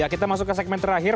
kita masuk ke segmen terakhir